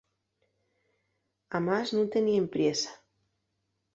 Amás, nun teníen priesa.